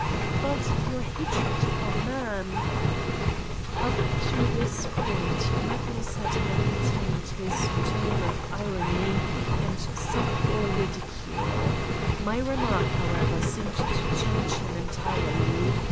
"But your hatred for man ..." Up to this point Magnus had maintained his tone of irony and subtle ridicule : my remark, how ever, seemed to change him entirely.